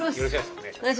お願いします。